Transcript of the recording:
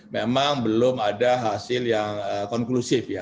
memang belum ada hasil yang konklusif ya